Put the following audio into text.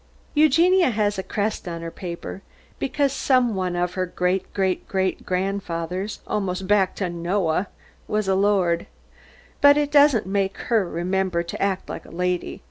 Eugenia has a crest on her paper, because some one of her great great great grandfathers, almost back to Noah, was a lord. But it doesn't make her remember to act like a lady.